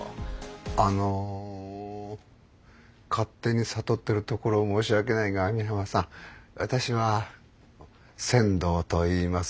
あの勝手に悟ってるところ申し訳ないが網浜さん私は千堂といいます。